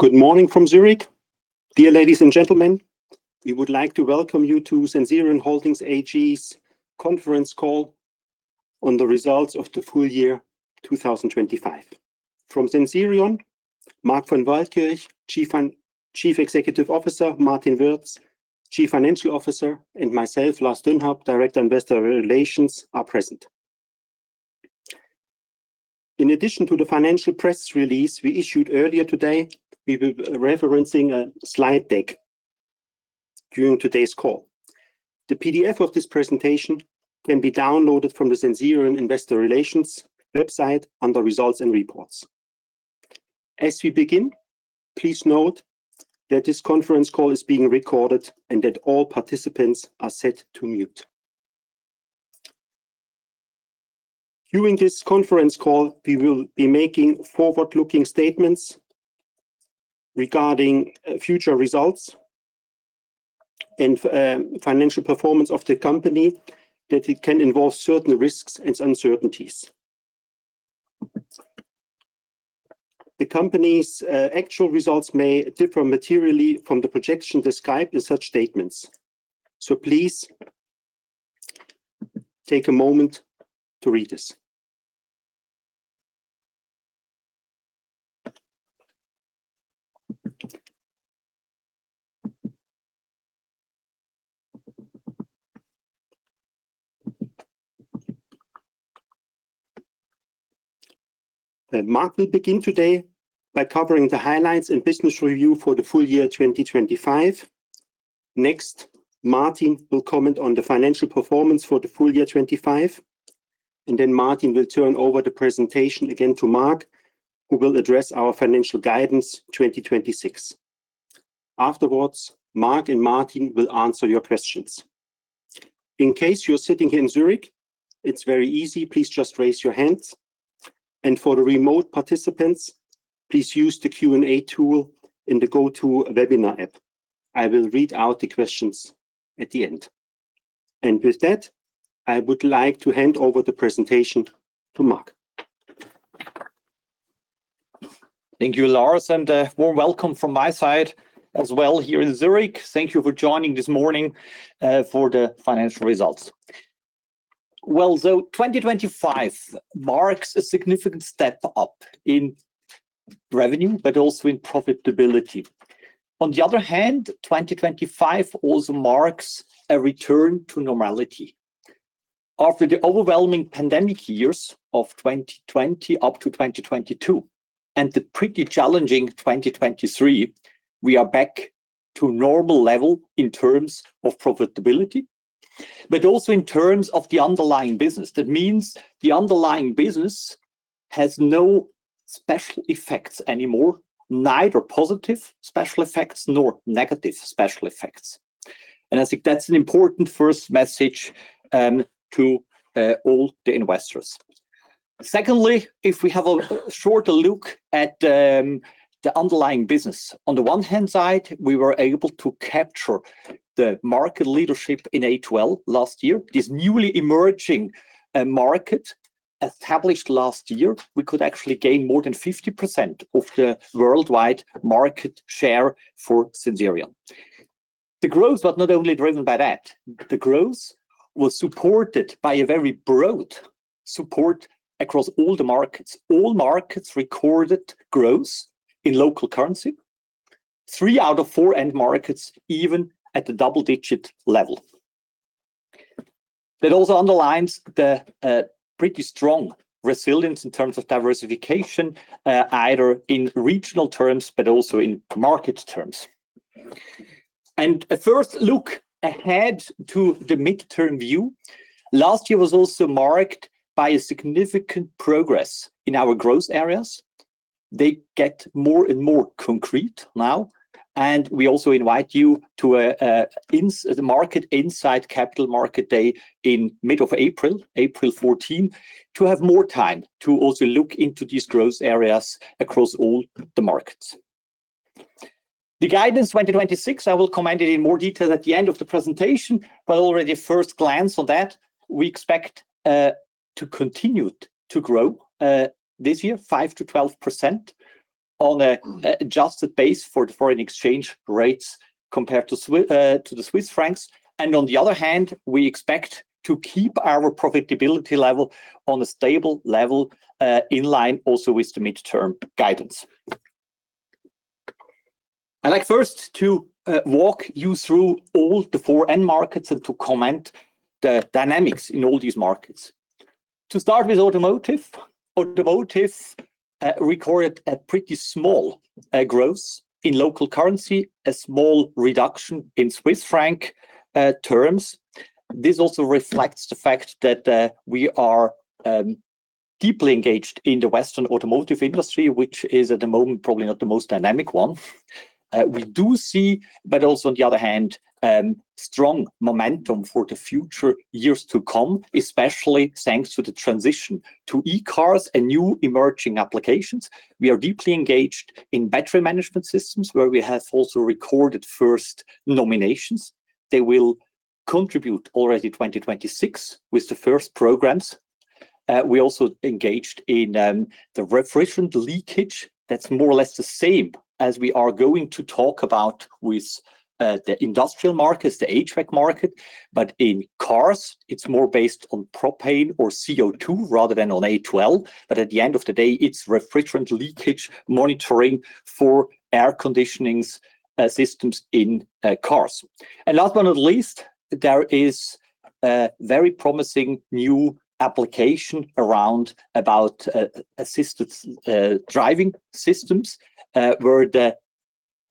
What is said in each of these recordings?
Good morning from Zurich. Dear ladies and gentlemen, we would like to welcome you to Sensirion Holding AG's Conference Call on the Results of the Full Year 2025. From Sensirion, Marc von Waldkirch, Chief Executive Officer, Martin Wirz, Chief Financial Officer, and myself, Lars Dünnhaupt, Director Investor Relations, are present. In addition to the financial press release we issued earlier today, we will be referencing a slide deck during today's call. The PDF of this presentation can be downloaded from the Sensirion Investor Relations website under Results and Reports. As we begin, please note that this conference call is being recorded and that all participants are set to mute. During this conference call, we will be making forward-looking statements regarding future results and financial performance of the company that it can involve certain risks and uncertainties. The company's actual results may differ materially from the projection described in such statements. Please take a moment to read this. Marc will begin today by covering the highlights and business review for the full year 2025. Next, Martin will comment on the financial performance for the full year 2025, and then Martin will turn over the presentation again to Marc, who will address our financial guidance 2026. Afterwards, Marc and Martin will answer your questions. In case you're sitting here in Zurich, it's very easy. Please just raise your hands. For the remote participants, please use the Q&A tool in the GoTo Webinar app. I will read out the questions at the end. With that, I would like to hand over the presentation to Marc. Thank you, Lars, and a warm welcome from my side as well here in Zurich. Thank you for joining this morning for the financial results. Well, 2025 marks a significant step up in revenue but also in profitability. On the other hand, 2025 also marks a return to normality. After the overwhelming pandemic years of 2020 up to 2022 and the pretty challenging 2023, we are back to normal level in terms of profitability, but also in terms of the underlying business. That means the underlying business has no special effects anymore, neither positive special effects nor negative special effects. I think that's an important first message to all the investors. Secondly, if we have a shorter look at the underlying business. On the one hand side, we were able to capture the market leadership in A2L last year. This newly emerging market established last year, we could actually gain more than 50% of the worldwide market share for Sensirion. The growth was not only driven by that. The growth was supported by a very broad support across all the markets. All markets recorded growth in local currency. Three out of four end markets, even at the double-digit level. That also underlines the pretty strong resilience in terms of diversification, either in regional terms but also in market terms. A first look ahead to the midterm view. Last year was also marked by a significant progress in our growth areas. They get more and more concrete now, and we also invite you to the Investor Update, Growth & Market Insight Capital Market Day in mid-April, April 14, to have more time to also look into these growth areas across all the markets. The guidance 2026, I will comment it in more detail at the end of the presentation, but already a first glance of that, we expect to continue to grow this year 5%-12% on an adjusted base for the foreign exchange rates compared to the Swiss francs. On the other hand, we expect to keep our profitability level on a stable level in line also with the mid-term guidance. I'd like first to walk you through all the four end markets and to comment the dynamics in all these markets. To start with Automotive. Automotive recorded a pretty small growth in local currency, a small reduction in Swiss franc terms. This also reflects the fact that we are deeply engaged in the Western automotive industry, which is at the moment probably not the most dynamic one. We do see, but also on the other hand, strong momentum for the future years to come, especially thanks to the transition to e-cars and new emerging applications. We are deeply engaged in battery management systems, where we have also recorded first nominations. They will contribute already 2026 with the first programs. We also engaged in the refrigerant leakage. That's more or less the same as we are going to talk about with the industrial markets, the HVAC market. In cars, it's more based on propane or CO2 rather than on A2L. At the end of the day, it's refrigerant leakage monitoring for air conditioning systems in cars. Last but not least, there is a very promising new application around assisted driving systems, where the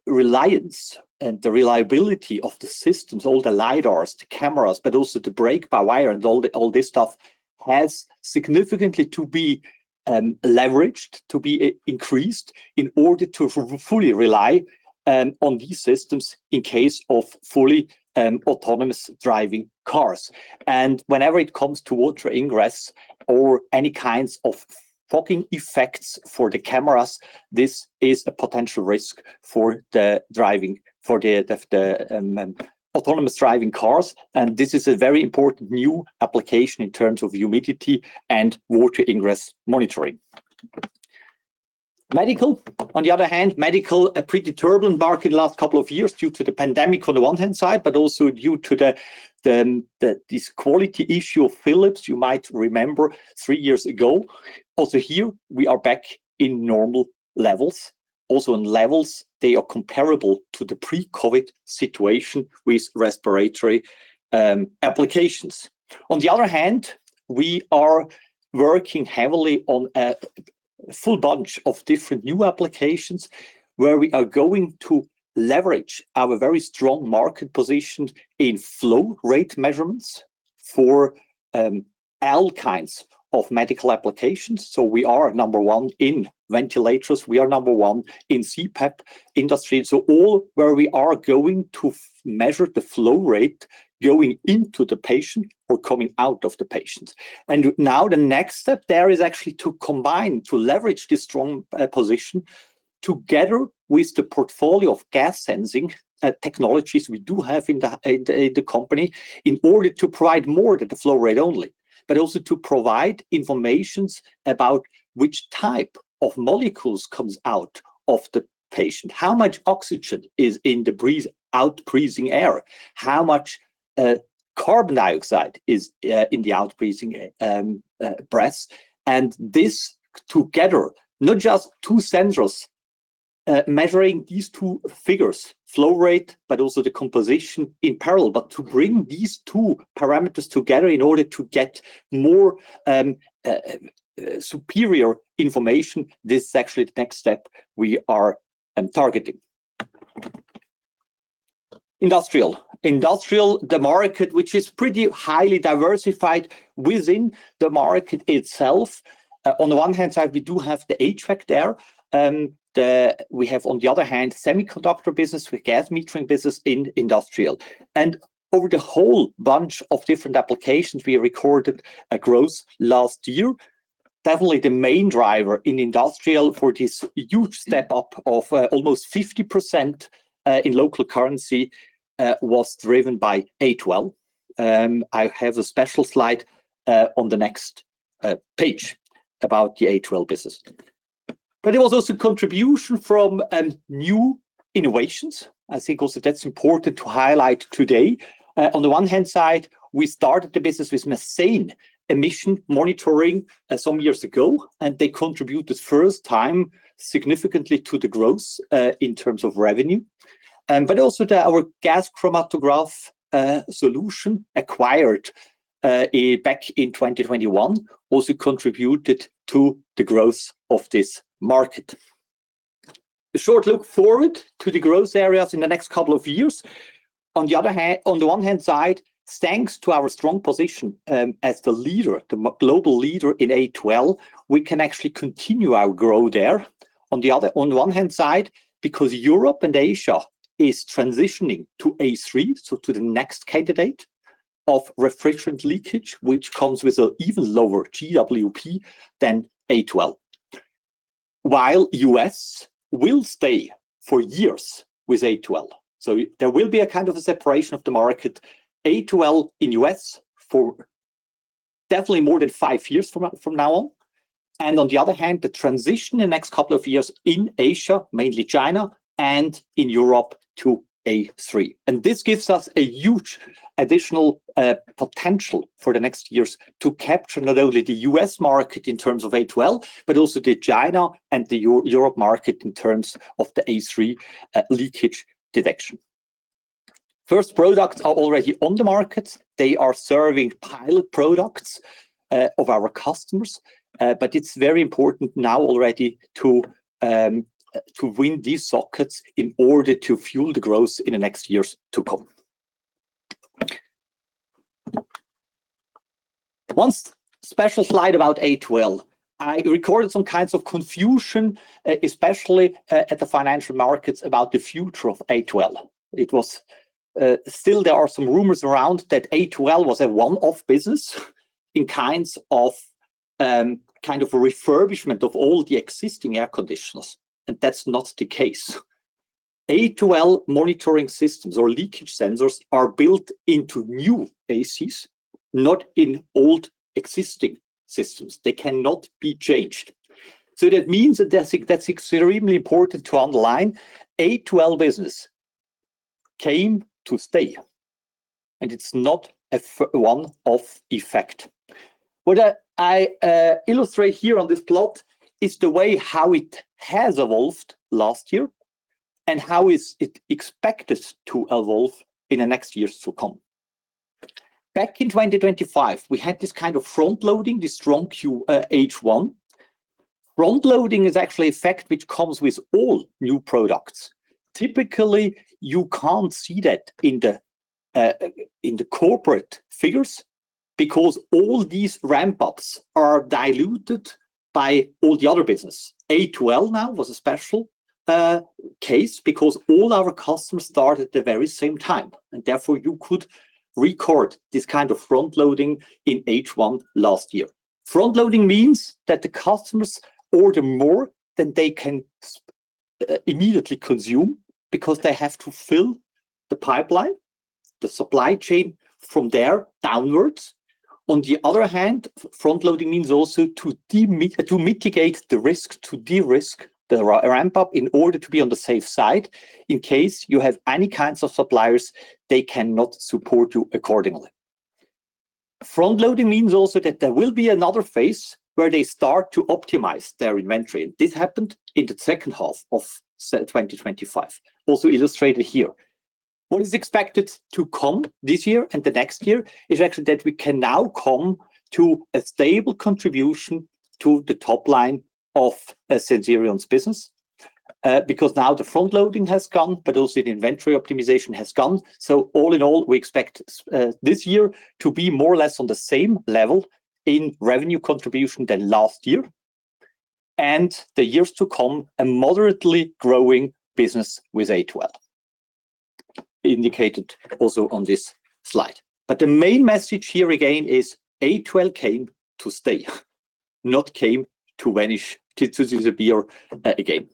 reliance and the reliability of the systems, all the lidars, the cameras, but also the brake-by-wire and all this stuff has significantly to be leveraged, to be increased in order to fully rely on these systems in case of fully autonomous driving cars. Whenever it comes to water ingress or any kinds of fogging effects for the cameras, this is a potential risk for the autonomous driving cars. This is a very important new application in terms of humidity and water ingress monitoring. Medical, on the other hand, a pretty turbulent market last couple of years due to the pandemic on the one hand side, but also due to this quality issue of Philips you might remember three years ago. Also here we are back in normal levels. Also in levels, they are comparable to the pre-COVID situation with respiratory applications. On the other hand, we are working heavily on a full bunch of different new applications where we are going to leverage our very strong market position in flow rate measurements for all kinds of medical applications. We are number one in ventilators. We are number one in CPAP industry. All where we are going to measure the flow rate going into the patient or coming out of the patient. Now the next step there is actually to combine, to leverage this strong position together with the portfolio of gas sensing technologies we do have in the company in order to provide more than the flow rate only, but also to provide information about which type of molecules comes out of the patient, how much oxygen is in the out-breathing air, how much carbon dioxide is in the out-breathing breaths. This together, not just two sensors measuring these two figures, flow rate, but also the composition in parallel, but to bring these 2 parameters together in order to get more superior information, this is actually the next step we are targeting. Industrial, the market, which is pretty highly diversified within the market itself. On the one hand side, we do have the HVAC there. We have on the other hand, semiconductor business with gas metering business in industrial. Over the whole bunch of different applications, we recorded a growth last year. Definitely the main driver in industrial for this huge step up of almost 50% in local currency was driven by A2L. I have a special slide on the next page about the A2L business. There was also contribution from new innovations. I think also that's important to highlight today. On the one hand side, we started the business with methane emission monitoring some years ago, and they contribute the first time significantly to the growth in terms of revenue. Our gas chromatograph solution acquired back in 2021 also contributed to the growth of this market. A short look forward to the growth areas in the next couple of years. On the one hand side, thanks to our strong position as the leader, the global leader in A2L, we can actually continue our growth there. On the one hand side, because Europe and Asia is transitioning to A3, so to the next candidate of refrigerant leakage, which comes with an even lower GWP than A2L, while U.S. will stay for years with A2L. There will be a kind of a separation of the market, A2L in U.S. for definitely more than five years from now on. On the other hand, the transition the next couple of years in Asia, mainly China and in Europe to A3. This gives us a huge additional potential for the next years to capture not only the U.S. market in terms of A2L, but also the China and the Europe market in terms of the A3, leakage detection. First products are already on the market. They are serving pilot products of our customers. But it's very important now already to win these sockets in order to fuel the growth in the next years to come. One special slide about A2L. I recorded some kinds of confusion, especially at the financial markets about the future of A2L. There are still some rumors around that A2L was a one-off business in kind of a refurbishment of all the existing air conditioners, and that's not the case. A2L monitoring systems or leakage sensors are built into new ACs, not in old existing systems. They cannot be changed. That means that's extremely important to underline. A2L business came to stay, and it's not a one-off effect. What I illustrate here on this plot is the way how it has evolved last year and how is it expected to evolve in the next years to come. Back in 2025, we had this kind of frontloading, this strong Q H1. Frontloading is actually a fact which comes with all new products. Typically, you can't see that in the corporate figures because all these ramp-ups are diluted by all the other business. A2L now was a special case because all our customers start at the very same time, and therefore, you could record this kind of frontloading in H1 last year. Frontloading means that the customers order more than they can immediately consume because they have to fill the pipeline, the supply chain from there downwards. On the other hand, frontloading means also to mitigate the risk, to de-risk the ramp-up in order to be on the safe side in case you have any kinds of suppliers, they cannot support you accordingly. Frontloading means also that there will be another phase where they start to optimize their inventory. This happened in the second half of 2025, also illustrated here. What is expected to come this year and the next year is actually that we can now come to a stable contribution to the top line of Sensirion's business, because now the frontloading has gone, but also the inventory optimization has gone. All in all, we expect this year to be more or less on the same level in revenue contribution than last year and the years to come, a moderately growing business with A2L, indicated also on this slide. But the main message here again is A2L came to stay, not came to vanish, to disappear, again.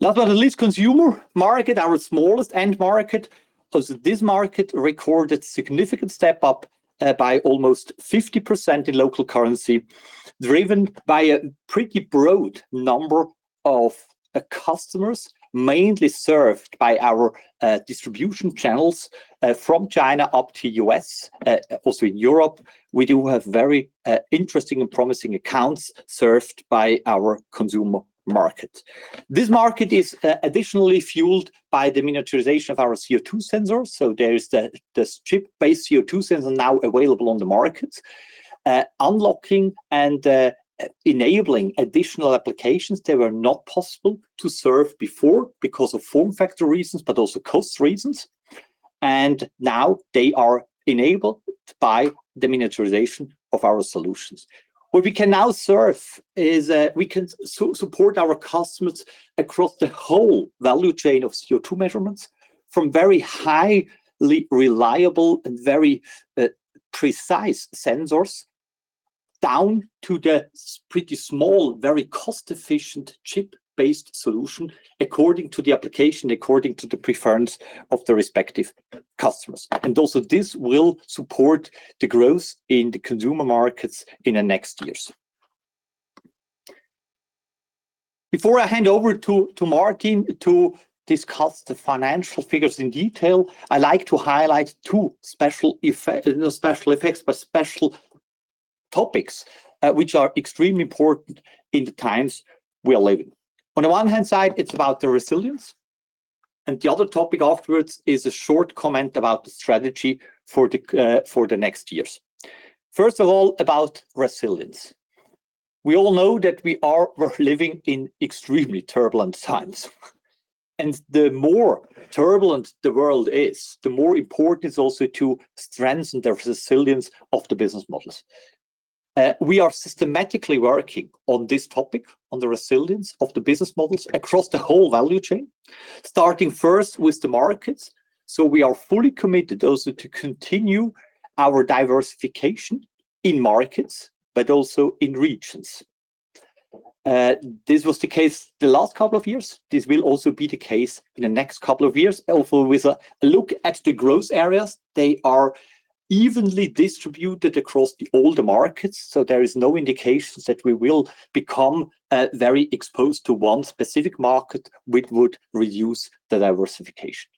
Last but not least, consumer market, our smallest end market. Also, this market recorded significant step-up by almost 50% in local currency, driven by a pretty broad number of customers, mainly served by our distribution channels from China up to U.S. Also in Europe, we do have very interesting and promising accounts served by our consumer market. This market is additionally fueled by the miniaturization of our CO2 sensors. There is the chip-based CO2 sensor now available on the markets, unlocking and enabling additional applications that were not possible to serve before because of form factor reasons, but also cost reasons, and now they are enabled by the miniaturization of our solutions. What we can now see is that we can support our customers across the whole value chain of CO2 measurements from very highly reliable and very precise sensors down to the pretty small, very cost-efficient, chip-based solution according to the application, according to the preference of the respective customers. Also, this will support the growth in the consumer markets in the next years. Before I hand over to Martin to discuss the financial figures in detail, I like to highlight two special topics, which are extremely important in the times we are living. On the one hand, it's about the resilience, and the other topic afterwards is a short comment about the strategy for the next years. First of all, about resilience. We all know that we're living in extremely turbulent times. The more turbulent the world is, the more important it's also to strengthen the resilience of the business models. We are systematically working on this topic, on the resilience of the business models across the whole value chain, starting first with the markets. We are fully committed also to continue our diversification in markets, but also in regions. This was the case the last couple of years. This will also be the case in the next couple of years. Also, with a look at the growth areas, they are evenly distributed across the older markets, so there is no indications that we will become very exposed to one specific market which would reduce the diversification.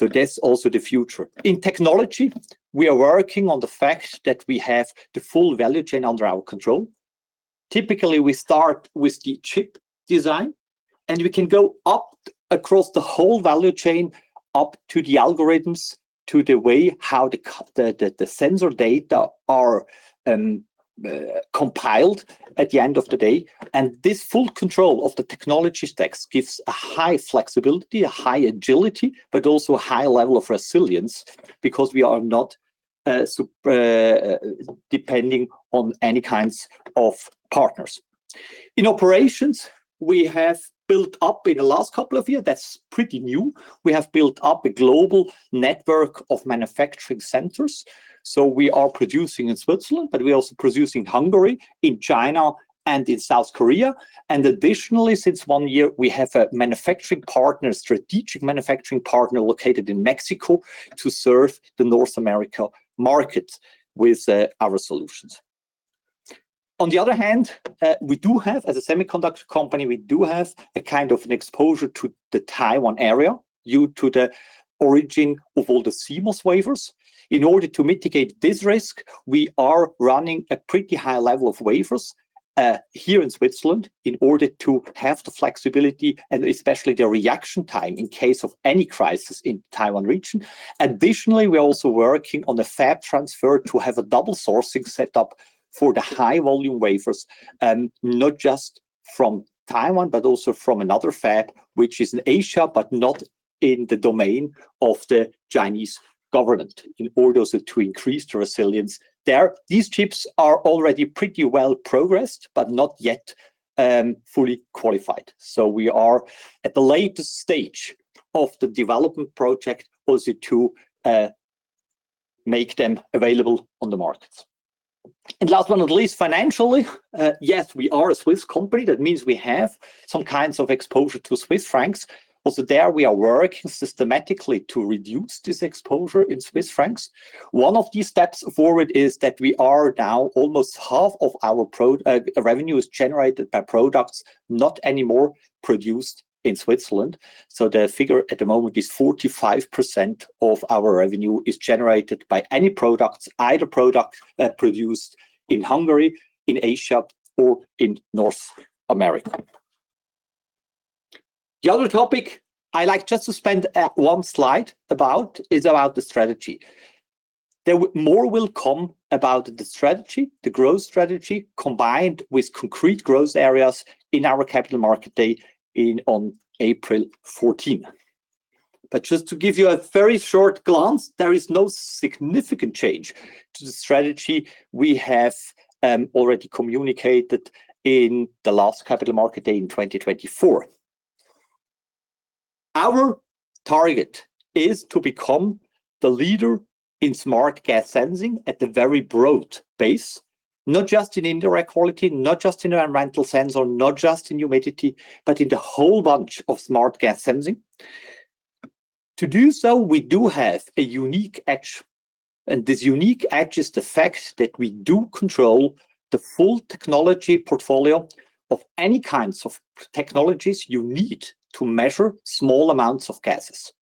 That's also the future. In technology, we are working on the fact that we have the full value chain under our control. Typically, we start with the chip design, and we can go up across the whole value chain, up to the algorithms, to the way how the sensor data are compiled at the end of the day. This full control of the technology stacks gives a high flexibility, a high agility, but also a high level of resilience because we are not depending on any kinds of partners. In operations, we have built up in the last couple of years, that's pretty new, we have built up a global network of manufacturing centers, so we are producing in Switzerland, but we also produce in Hungary, in China, and in South Korea. Additionally, since one year, we have a manufacturing partner, strategic manufacturing partner located in Mexico to serve the North America market with our solutions. On the other hand, we do have, as a semiconductor company, a kind of an exposure to the Taiwan area due to the origin of all the CMOS wafers. In order to mitigate this risk, we are running a pretty high level of wafers here in Switzerland in order to have the flexibility and especially the reaction time in case of any crisis in Taiwan region. Additionally, we're also working on the fab transfer to have a double sourcing set up for the high volume wafers, not just from Taiwan, but also from another fab, which is in Asia, but not in the domain of the Chinese government in order to increase the resilience there. These chips are already pretty well progressed, but not yet fully qualified. We are at the latest stage of the development project also to make them available on the market. Last but not least, financially, yes, we are a Swiss company. That means we have some kinds of exposure to Swiss francs. Also there, we are working systematically to reduce this exposure in Swiss francs. One of these steps forward is that almost half of our revenue is generated by products not anymore produced in Switzerland. The figure at the moment is 45% of our revenue is generated by any products produced in Hungary, in Asia, or in North America. The other topic I'd like just to spend one slide about is the strategy. More will come about the strategy, the growth strategy, combined with concrete growth areas in our capital market day on April 14. Just to give you a very short glance, there is no significant change to the strategy we have already communicated in the last capital market day in 2024. Our target is to become the leader in smart gas sensing at the very broad base, not just in indoor air quality, not just in environmental sensor, not just in humidity, but in the whole bunch of smart gas sensing. To do so, we do have a unique edge, and this unique edge is the fact that we do control the full technology portfolio of any kinds of technologies you need to measure small amounts of gases.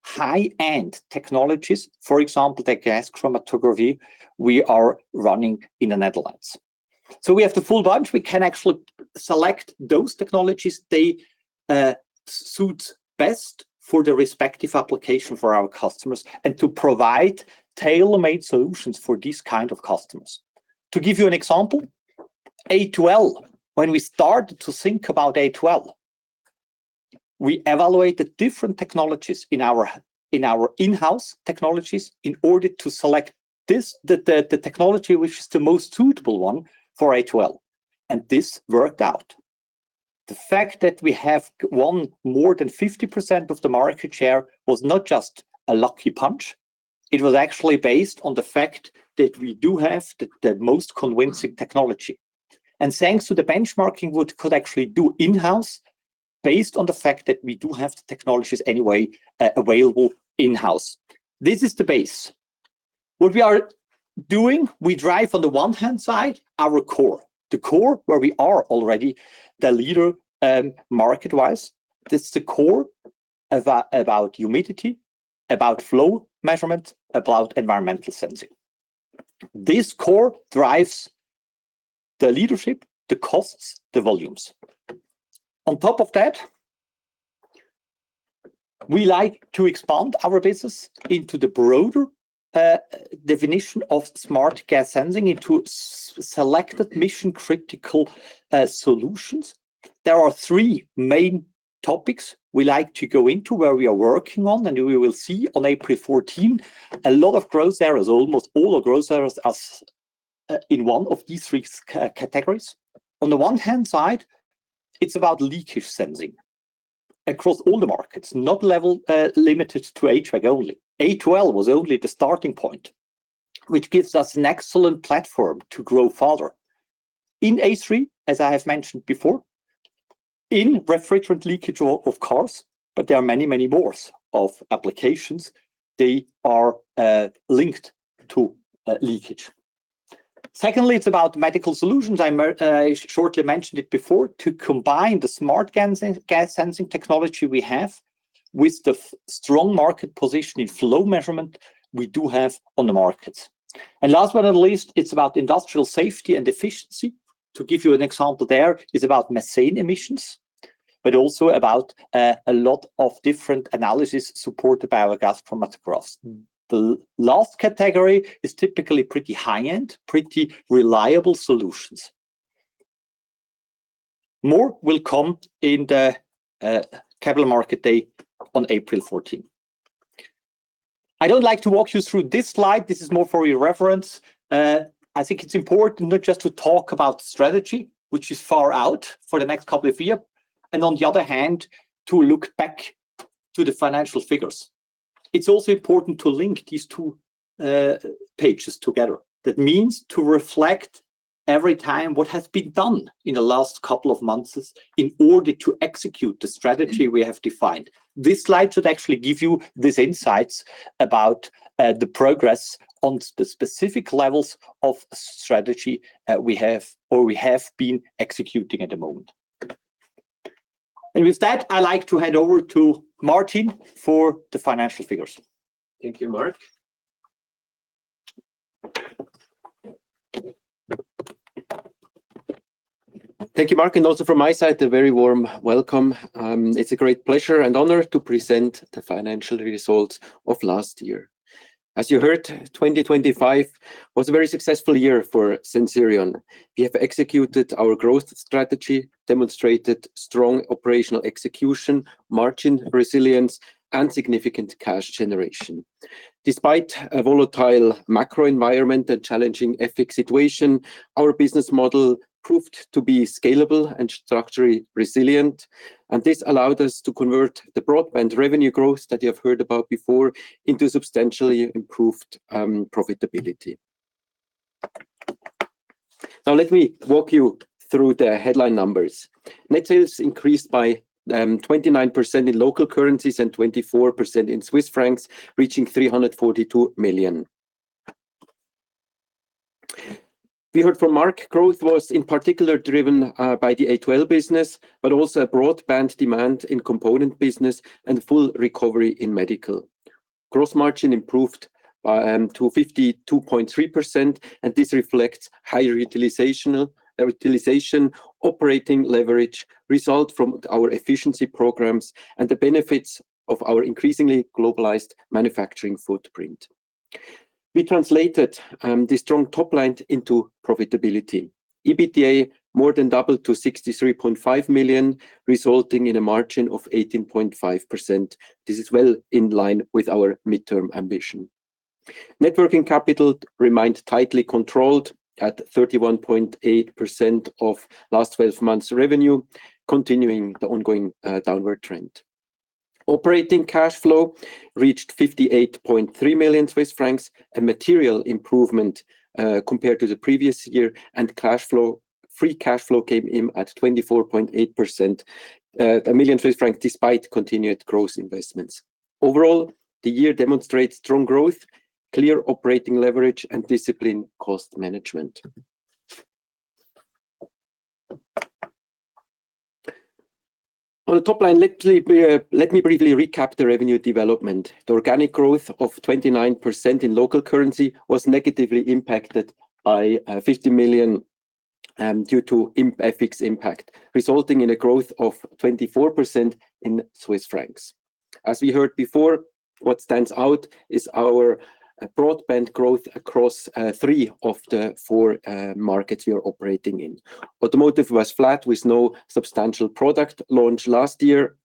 From very cost-efficient, chip-based technologies, up to very precisely high-end technologies, for example, the gas chromatography we are running in the Netherlands. We have the full bunch. We can actually select those technologies they suit best for the respective application for our customers and to provide tailor-made solutions for these kind of customers. To give you an example, A2L. When we start to think about A2L, we evaluated different technologies in our in-house technologies in order to select the technology which is the most suitable one for A2L, and this worked out. The fact that we have won more than 50% of the market share was not just a lucky punch. It was actually based on the fact that we do have the most convincing technology. Thanks to the benchmarking, we could actually do in-house based on the fact that we do have the technologies anyway, available in-house. This is the base. What we are doing, we drive on the one-hand side our core, the core where we are already the leader, market-wise. This is the core about humidity, about flow measurement, about environmental sensing. This core drives the leadership, the costs, the volumes. On top of that, we like to expand our business into the broader definition of smart gas sensing into selected mission-critical solutions. There are three main topics we like to go into, where we are working on, and we will see on April 14 a lot of growth areas. Almost all our growth areas are in one of these three categories. On the one hand side, it's about leakage sensing across all the markets, not limited to A2L only. A2L was only the starting point, which gives us an excellent platform to grow farther. In A3, as I have mentioned before, in refrigerant leakage of cars, but there are many more applications, they are linked to leakage. Secondly, it's about medical solutions, I shortly mentioned it before, to combine the smart gas sensing technology we have with the strong market position in flow measurement we do have on the markets. Last but not least, it's about industrial safety and efficiency. To give you an example there, it's about methane emissions, but also about a lot of different analysis supported by our gas chromatographs. The last category is typically pretty high-end, pretty reliable solutions. More will come in the capital market day on April 14. I would like to walk you through this slide. This is more for your reference. I think it's important not just to talk about strategy, which is far out for the next couple of year, and on the other hand, to look back to the financial figures. It's also important to link these two pages together. That means to reflect every time what has been done in the last couple of months in order to execute the strategy we have defined. This slide should actually give you these insights about the progress on the specific levels of strategy that we have or we have been executing at the moment. With that, I'd like to hand over to Martin for the financial figures. Thank you, Marc, and also from my side, a very warm welcome. It's a great pleasure and honor to present the financial results of last year. As you heard, 2025 was a very successful year for Sensirion. We have executed our growth strategy, demonstrated strong operational execution, margin resilience, and significant cash generation. Despite a volatile macro environment and challenging FX situation, our business model proved to be scalable and structurally resilient, and this allowed us to convert the broadband revenue growth that you have heard about before into substantially improved profitability. Now let me walk you through the headline numbers. Net sales increased by 29% in local currencies and 24% in Swiss francs, reaching 342 million. We heard from Marc. Growth was in particular driven by the A2L business, but also a broad-based demand in component business and full recovery in medical. Gross margin improved to 52.3%, and this reflects higher utilization, operating leverage resulting from our efficiency programs and the benefits of our increasingly globalized manufacturing footprint. We translated the strong top line into profitability. EBITDA more than doubled to 63.5 million, resulting in a margin of 18.5%. This is well in line with our mid-term ambition. Net working capital remained tightly controlled at 31.8% of last 12 months revenue, continuing the ongoing downward trend. Operating cash flow reached 58.3 million Swiss francs, a material improvement compared to the previous year, and free cash flow came in at 24.8 million Swiss francs despite continued growth investments. Overall, the year demonstrates strong growth, clear operating leverage, and disciplined cost management. On the top line, let me briefly recap the revenue development. The organic growth of 29% in local currency was negatively impacted by 50 million due to FX impact, resulting in a growth of 24% in Swiss francs. As we heard before, what stands out is our broad-based growth across three of the four markets we are operating in. Automotive was flat with no substantial product launch last year,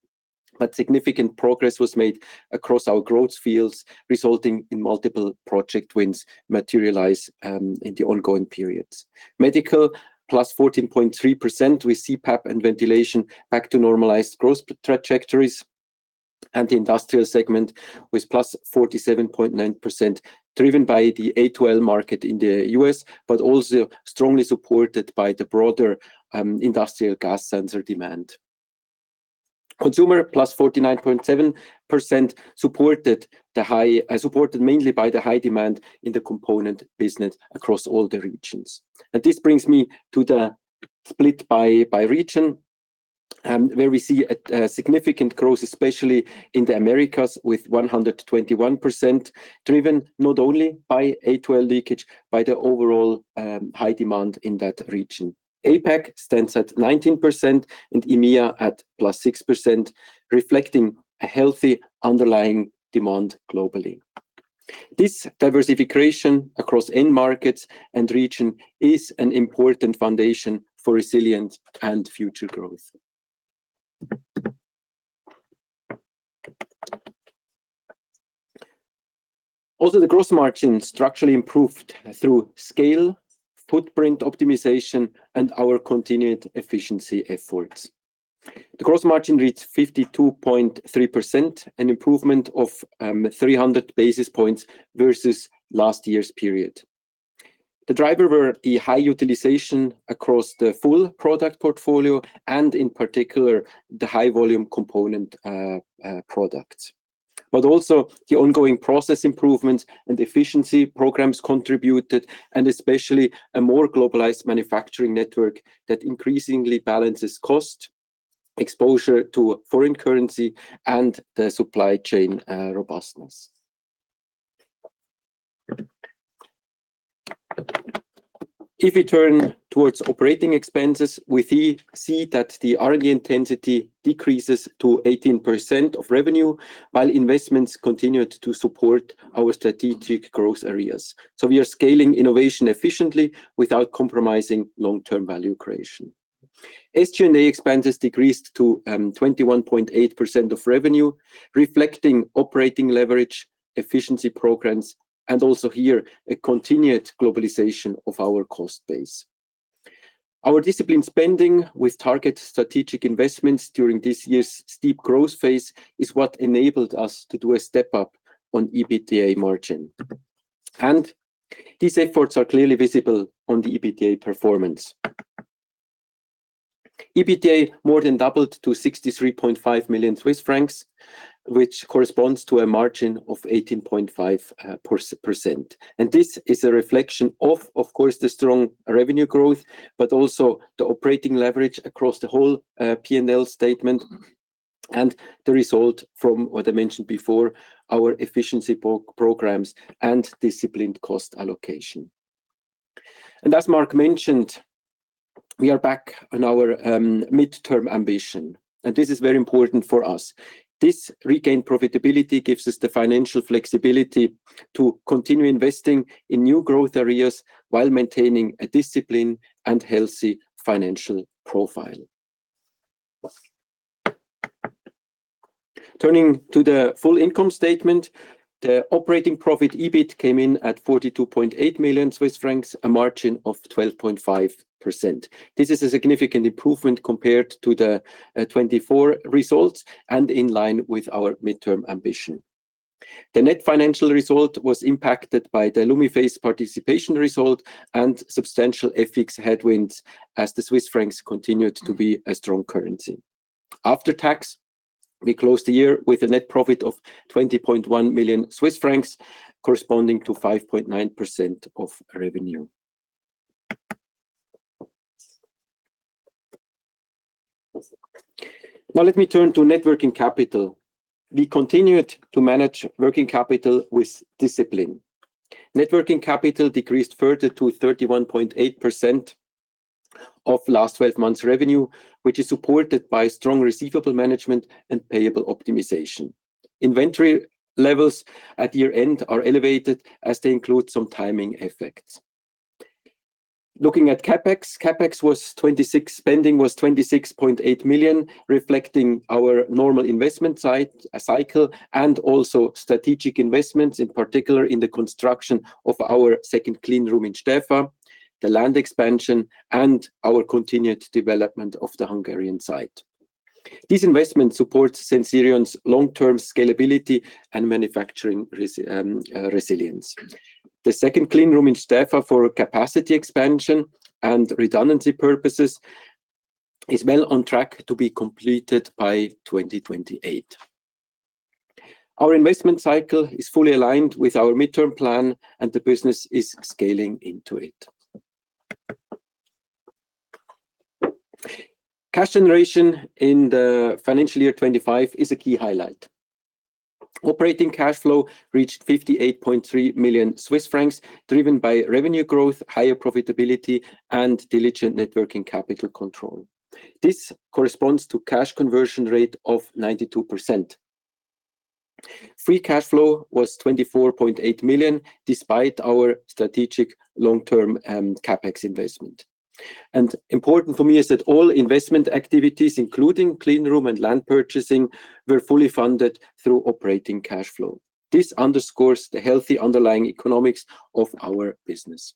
but significant progress was made across our growth fields, resulting in multiple project wins materialize in the ongoing periods. Medical +14.3% with CPAP and ventilation back to normalized growth trajectories. The industrial segment +47.9%, driven by the A2L market in the U.S., but also strongly supported by the broader industrial gas sensor demand. Consumer +49.7% supported mainly by the high demand in the component business across all the regions. This brings me to the split by region, where we see a significant growth, especially in the Americas, with +121%, driven not only by A2L leakage but by the overall high demand in that region. APAC stands at 19% and EMEA at +6%, reflecting a healthy underlying demand globally. This diversification across end markets and region is an important foundation for resilience and future growth. Also, the gross margin structurally improved through scale, footprint optimization, and our continued efficiency efforts. The gross margin reached 52.3%, an improvement of three hundred basis points versus last year's period. The driver were the high utilization across the full product portfolio and in particular the high volume component products. But also the ongoing process improvements and efficiency programs contributed, and especially a more globalized manufacturing network that increasingly balances cost, exposure to foreign currency, and the supply chain robustness. If we turn towards operating expenses, we can see that the R&D intensity decreases to 18% of revenue while investments continued to support our strategic growth areas. We are scaling innovation efficiently without compromising long-term value creation. SG&A expenses decreased to 21.8% of revenue, reflecting operating leverage, efficiency programs, and also here, a continued globalization of our cost base. Our disciplined spending with target strategic investments during this year's steep growth phase is what enabled us to do a step-up on EBITDA margin. These efforts are clearly visible on the EBITDA performance. EBITDA more than doubled to 63.5 million Swiss francs, which corresponds to a margin of 18.5%. This is a reflection of course, the strong revenue growth, but also the operating leverage across the whole P&L statement and the result from what I mentioned before, our efficiency programs and disciplined cost allocation. As Marc mentioned, we are back on our midterm ambition, and this is very important for us. This regained profitability gives us the financial flexibility to continue investing in new growth areas while maintaining a disciplined and healthy financial profile. Turning to the full income statement, the operating profit, EBIT, came in at 42.8 million Swiss francs, a margin of 12.5%. This is a significant improvement compared to the 2024 results and in line with our midterm ambition. The net financial result was impacted by the Lumiphase participation result and substantial FX headwinds as the Swiss francs continued to be a strong currency. After tax, we closed the year with a net profit of 20.1 million Swiss francs, corresponding to 5.9% of revenue. Now let me turn to net working capital. We continued to manage working capital with discipline. Net working capital decreased further to 31.8% of last 12 months revenue, which is supported by strong receivable management and payable optimization. Inventory levels at year-end are elevated as they include some timing effects. Looking at CapEx, spending was 26.8 million, reflecting our normal investment cycle and also strategic investments, in particular in the construction of our second clean room in Stäfa, the land expansion, and our continued development of the Hungarian site. This investment supports Sensirion's long-term scalability and manufacturing resilience. The second clean room in Stäfa for capacity expansion and redundancy purposes is well on track to be completed by 2028. Our investment cycle is fully aligned with our midterm plan, and the business is scaling into it. Cash generation in the financial year 2025 is a key highlight. Operating cash flow reached 58.3 million Swiss francs, driven by revenue growth, higher profitability, and diligent net working capital control. This corresponds to cash conversion rate of 92%. Free cash flow was 24.8 million, despite our strategic long-term CapEx investment. Important for me is that all investment activities, including clean room and land purchasing, were fully funded through operating cash flow. This underscores the healthy underlying economics of our business.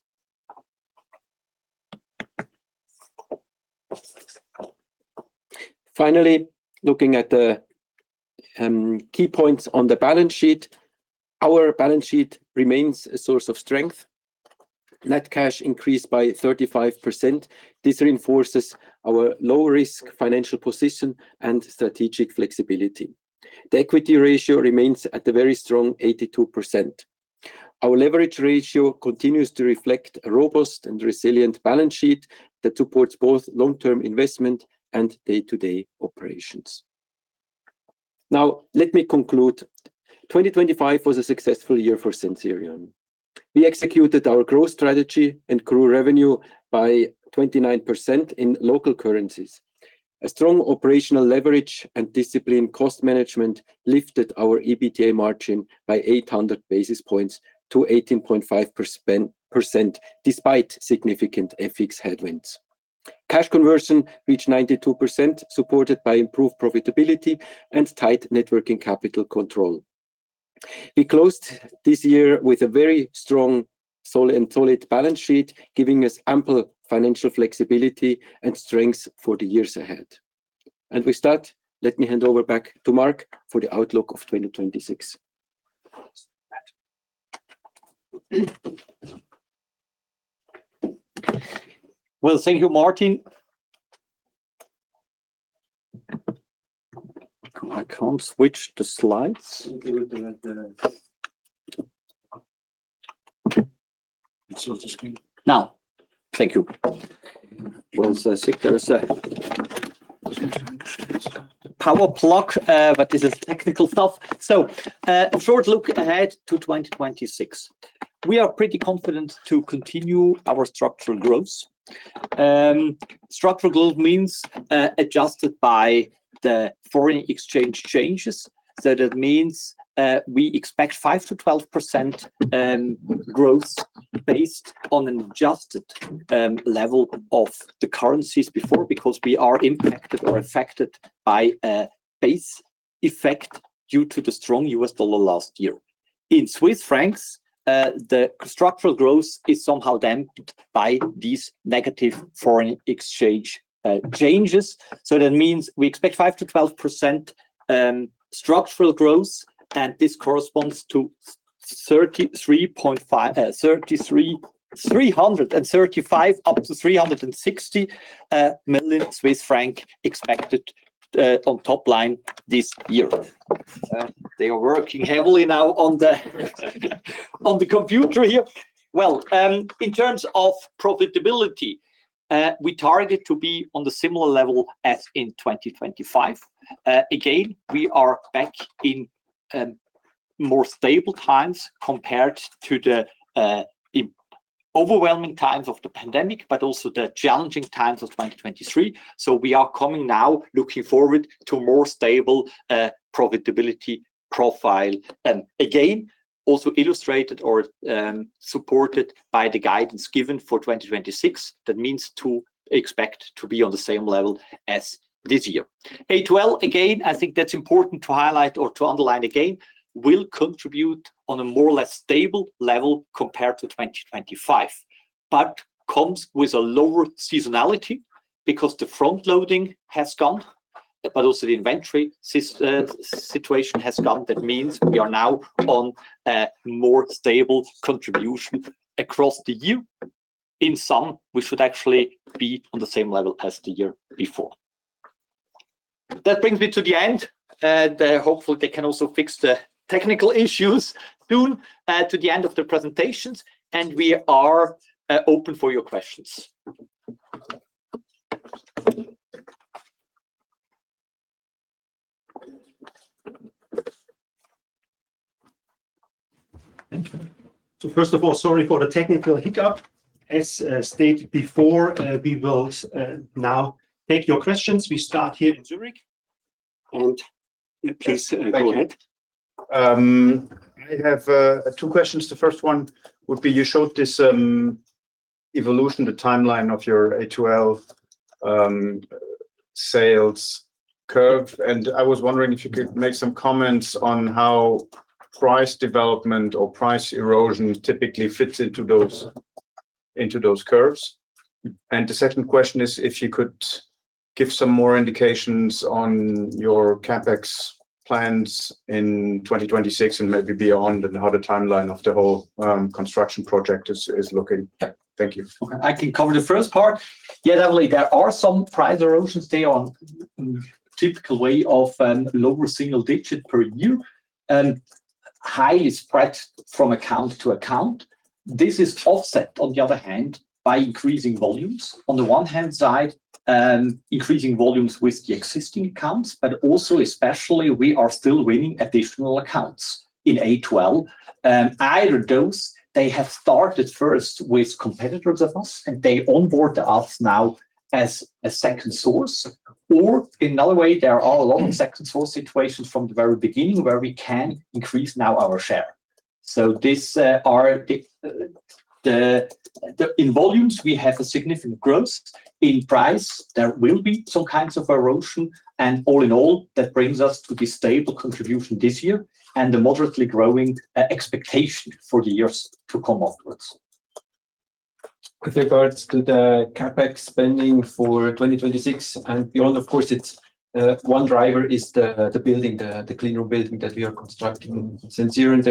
Finally, looking at the key points on the balance sheet. Our balance sheet remains a source of strength. Net cash increased by 35%. This reinforces our low-risk financial position and strategic flexibility. The equity ratio remains at a very strong 82%. Our leverage ratio continues to reflect a robust and resilient balance sheet that supports both long-term investment and day-to-day operations. Now let me conclude. 2025 was a successful year for Sensirion. We executed our growth strategy and grew revenue by 29% in local currencies. A strong operational leverage and disciplined cost management lifted our EBITDA margin by 800 basis points to 18.5%, despite significant FX headwinds. Cash conversion reached 92%, supported by improved profitability and tight net working capital control. We closed this year with a very strong, solid balance sheet, giving us ample financial flexibility and strength for the years ahead. With that, let me hand over back to Marc for the outlook of 2026. Well, thank you, Martin. I can't switch the slides. Switch the screen. Thank you. Well, I think there is a power plug, but this is technical stuff. A short look ahead to 2026. We are pretty confident to continue our structural growth. Structural growth means adjusted by the foreign exchange changes. That means we expect 5%-12% growth based on an adjusted level of the currencies before because we are impacted or affected by a base effect due to the strong U.S. dollar last year. In Swiss francs, the structural growth is somehow damped by these negative foreign exchange changes. That means we expect 5%-12% structural growth, and this corresponds to 335 million-360 million Swiss franc expected on top line this year. They are working heavily now on the computer here. Well, in terms of profitability, we target to be on the similar level as in 2025. Again, we are back in more stable times compared to the overwhelming times of the pandemic but also the challenging times of 2023. We are coming now looking forward to more stable profitability profile. Again, also illustrated or supported by the guidance given for 2026. That means to expect to be on the same level as this year. A2L, again, I think that's important to highlight or to underline again, will contribute on a more or less stable level compared to 2025, but comes with a lower seasonality because the front loading has gone, but also the inventory situation has gone. That means we are now on a more stable contribution across the year. In sum, we should actually be on the same level as the year before. That brings me to the end, hopefully they can also fix the technical issues soon. To the end of the presentations, and we are open for your questions. Thank you. First of all, sorry for the technical hiccup. As stated before, we will now take your questions. We start here in Zurich. Please go ahead. I have two questions. The first one would be you showed this evolution, the timeline of your A2L sales curve, and I was wondering if you could make some comments on how price development or price erosion typically fits into those curves. The second question is if you could give some more indications on your CapEx plans in 2026 and maybe beyond and how the timeline of the whole construction project is looking. Yeah. Thank you. I can cover the first part. Yeah, definitely. There are some price erosions. They are on typical way of a lower single digit per year and highly spread from account to account. This is offset on the other hand by increasing volumes. On the one hand side, increasing volumes with the existing accounts, but also especially, we are still winning additional accounts in A2L. Either those, they have started first with competitors of us, and they onboard to us now as a second source. Or in another way, they are all along second source situations from the very beginning where we can increase now our share. In volumes, we have a significant growth. In price, there will be some kinds of erosion. All in all, that brings us to the stable contribution this year and the moderately growing expectation for the years to come afterwards. With regards to the CapEx spending for 2026 and beyond, of course, it's one driver is the clean room building that we are constructing in Sensirion.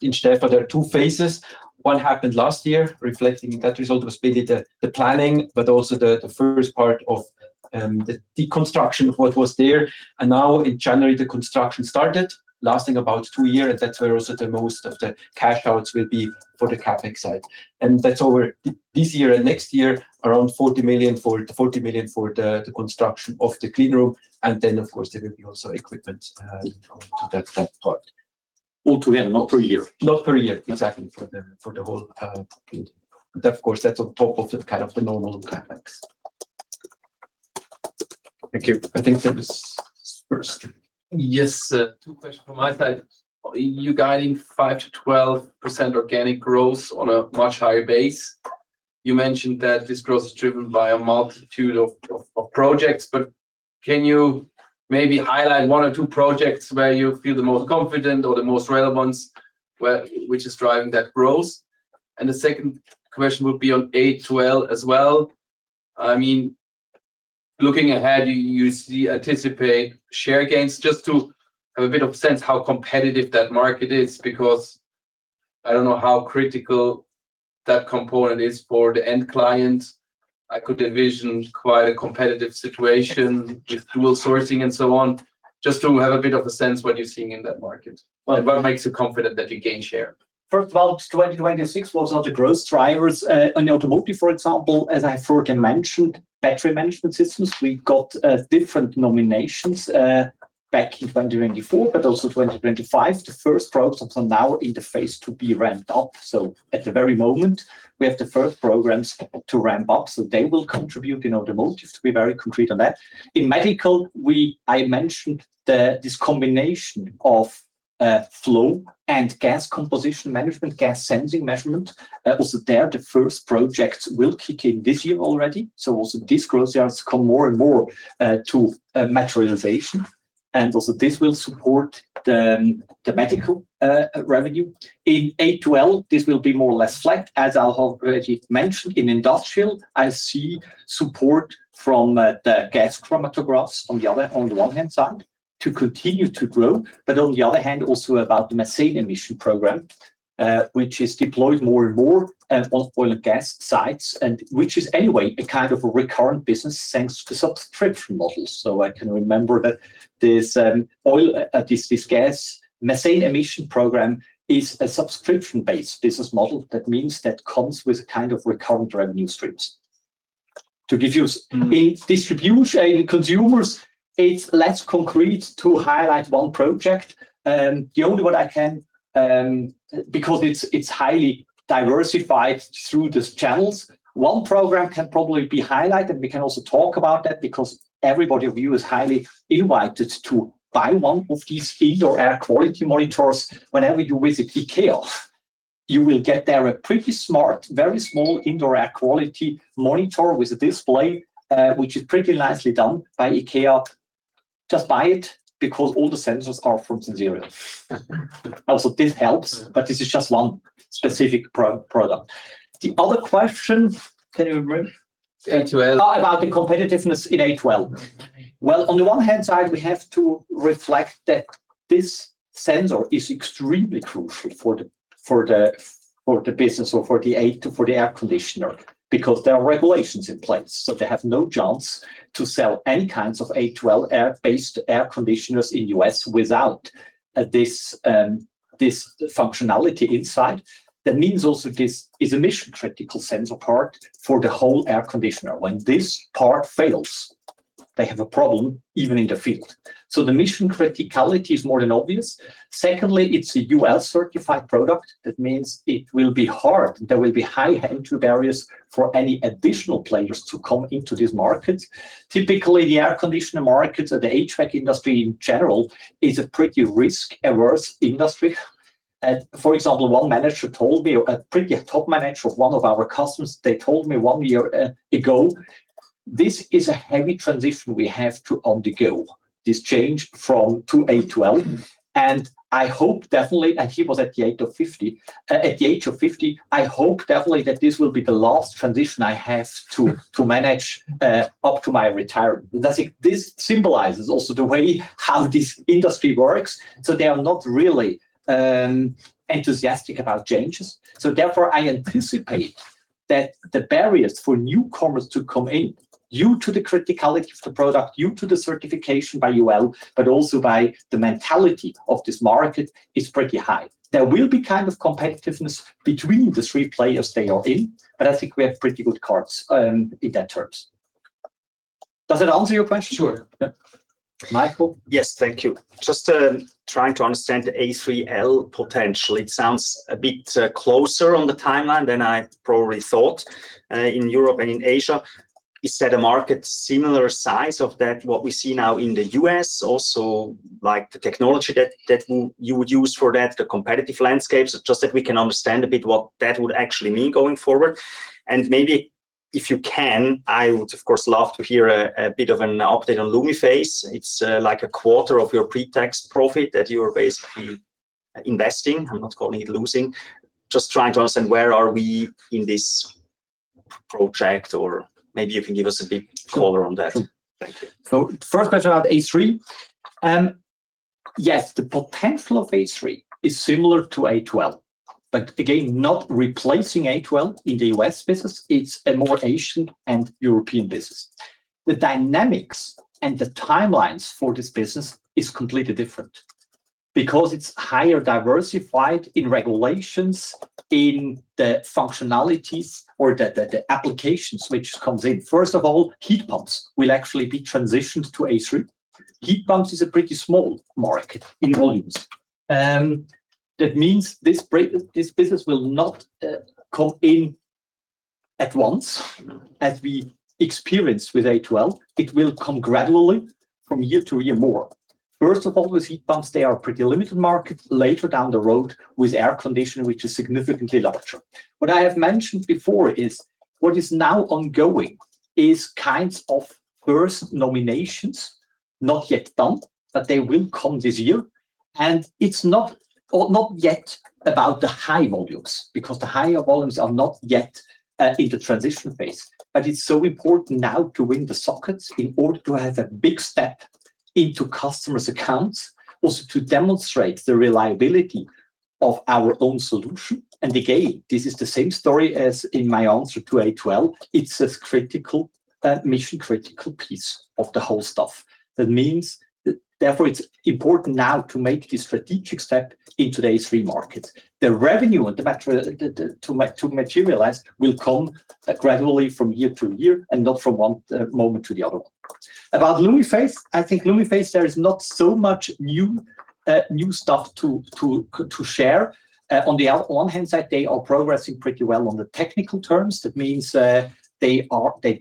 In Stäfa, there are two phases. One happened last year, reflecting that result was mainly the planning, but also the first part of the deconstruction of what was there. Now in January, the construction started, lasting about two years. That's where also the most of the cash outs will be for the CapEx side. That's over this year and next year, around 40 million for the construction of the clean room. Then of course there will be also equipment to that part. All together, not per year. Not per year. Exactly. For the whole building. Of course, that's on top of the kind of the normal CapEx. Thank you. I think there was Spurs. Yes, two questions from my side. You're guiding 5%-12% organic growth on a much higher base. You mentioned that this growth is driven by a multitude of projects, but can you maybe highlight one or two projects where you feel the most confident or the most relevant which is driving that growth? The second question would be on A2L as well. I mean, looking ahead, you anticipate share gains just to have a bit of sense how competitive that market is because I don't know how critical that component is for the end client. I could envision quite a competitive situation with dual sourcing and so on. Just to have a bit of a sense what you're seeing in that market. Well- What makes you confident that you gain share. First of all, 2026 was not a growth drivers. On the automotive, for example, as I forgot to mention, battery management systems, we got different nominations back in 2024, but also 2025, the first products are now in the phase to be ramped up. At the very moment, we have the first programs to ramp up, so they will contribute, you know, the most, just to be very concrete on that. In medical, I mentioned this combination of flow and gas composition management, gas sensing measurement. Also there, the first projects will kick in this year already. Also these growth areas come more and more to materialization. This will support the medical revenue. In A2L, this will be more or less flat, as I have already mentioned. In industrial, I see support from the gas chromatographs on the one hand to continue to grow, but on the other hand, also about the methane emission program, which is deployed more and more on oil and gas sites and which is anyway a kind of recurrent business thanks to subscription models. I can remember that this oil and gas methane emission program is a subscription-based business model. That means that comes with kind of recurrent revenue streams. Mm-hmm. In distribution, in consumers, it's less concrete to highlight one project. The only one I can, because it's highly diversified through these channels, one program can probably be highlighted, and we can also talk about that because everybody of you is highly invited to buy one of these indoor air quality monitors whenever you visit IKEA. You will get there a pretty smart, very small indoor air quality monitor with a display, which is pretty nicely done by IKEA. Just buy it because all the sensors are from Sensirion. Also, this helps, but this is just one specific product. The other question, can you remind me? A2L. About the competitiveness in A2L. Well, on the one hand side, we have to reflect that this sensor is extremely crucial for the business or for the air conditioner because there are regulations in place. They have no chance to sell any kinds of A2L-based air conditioners in the U.S. without this functionality inside. That means also this is a mission-critical sensor part for the whole air conditioner. When this part fails, they have a problem even in the field. The mission criticality is more than obvious. Secondly, it's a UL-certified product. That means it will be hard. There will be high entry barriers for any additional players to come into this market. Typically, the air conditioner markets or the HVAC industry in general is a pretty risk-averse industry. For example, one manager told me, a pretty top manager of one of our customers, they told me one year ago, "This is a heavy transition we have to undergo, this change from to A2L. And I hope definitely," and he was at the age of 50, "At the age of 50, I hope definitely that this will be the last transition I have to manage up to my retirement." That's it. This symbolizes also the way how this industry works. They are not really enthusiastic about changes. Therefore, I anticipate that the barriers for newcomers to come in due to the criticality of the product, due to the certification by UL, but also by the mentality of this market, is pretty high. There will be kind of competitiveness between the three players they are in, but I think we have pretty good cards, in that terms. Does that answer your question? Sure. Yeah. Michael? Yes. Thank you. Just trying to understand the A3L potential. It sounds a bit closer on the timeline than I probably thought in Europe and in Asia. Is that a market similar size of that what we see now in the U.S. also, like the technology that you would use for that, the competitive landscapes? Just that we can understand a bit what that would actually mean going forward. Maybe if you can, I would of course love to hear a bit of an update on Lumiphase. It's like a quarter of your pre-tax profit that you are basically investing. I'm not calling it losing. Just trying to understand where are we in this project or maybe you can give us a bit color on that. Sure. Thank you. First question about A3. Yes, the potential of A3 is similar to A2L, but again, not replacing A2L in the U.S. business. It's a more Asian and European business. The dynamics and the timelines for this business is completely different because it's highly diversified in regulations, in the functionalities or the applications which comes in. First of all, heat pumps will actually be transitioned to A3. Heat pumps is a pretty small market in volumes. That means this business will not come in at once as we experienced with A2L. It will come gradually from year to year more. First of all, with heat pumps, they are pretty limited market. Later down the road with air conditioning, which is significantly larger. What I have mentioned before is what is now ongoing is kinds of first nominations not yet done, but they will come this year. It's not, or not yet about the high volumes because the higher volumes are not yet in the transition phase. It's so important now to win the sockets in order to have a big step into customers' accounts, also to demonstrate the reliability of our own solution. Again, this is the same story as in my answer to A2L. It's this critical, mission-critical piece of the whole stuff. That means therefore it's important now to make this strategic step into these three markets. The revenue and the materialization will come gradually from year to year and not from one moment to the other one. About Lumiphase, I think there is not so much new stuff to share. On one hand, they are progressing pretty well on the technical terms. That means, they